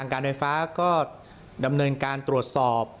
การไฟฟ้าก็ดำเนินการตรวจสอบ